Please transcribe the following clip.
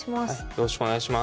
よろしくお願いします。